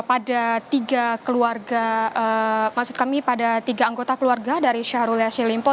pada tiga keluarga maksud kami pada tiga anggota keluarga dari syahrul yassin limpo